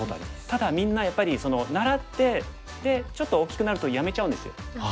ただみんなやっぱり習ってでちょっと大きくなるとやめちゃうんですよ。